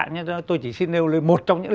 nhiều mình chỉ xin nêu lên một trong những